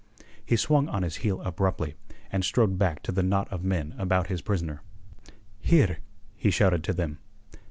He swung on his heel abruptly, and strode back to the knot of men about his prisoner. "Here!" he shouted to them.